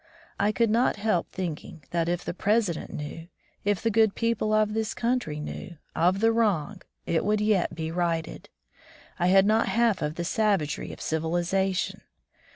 I could not help thinking that if the President knew, if the good people of this country knew, of the wrong, it would yet be righted. I had not seen half of the savagery of civilization